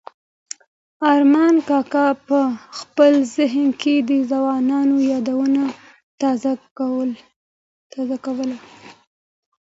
ارمان کاکا په خپل ذهن کې د ځوانۍ یادونه تازه کوله.